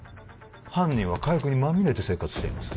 犯人は火薬にまみれて生活しています